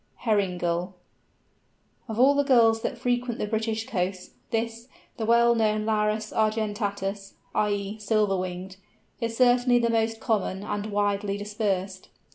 HERRING GULL. Of all the gulls that frequent the British coasts, this, the well known Larus argentatus (i.e. "silver winged"), is certainly the most common and widely dispersed.